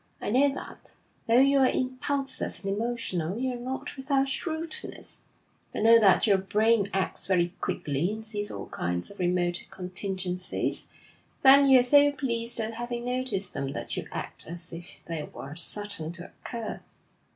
'I know that, though you're impulsive and emotional, you're not without shrewdness; I know that your brain acts very quickly and sees all kinds of remote contingencies; then you're so pleased at having noticed them that you act as if they were certain to occur.